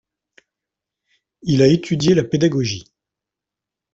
Il a étudié la pédagogie.